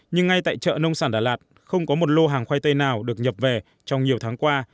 nhưng ngay tại chợ nông sản đà lạt không có một lô hàng khoai tây nào được nhập về trong nhiều tháng qua